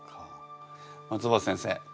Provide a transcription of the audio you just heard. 松尾葉先生。